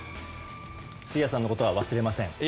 杉谷さんのことは忘れません。